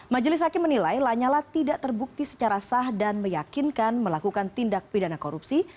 majelis hakim menilai lanyala tidak terbukti secara sah dan meyakinkan melakukan tindak pidana korupsi